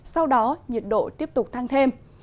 sau đó nhiệt độ tiếp tục thăng thêm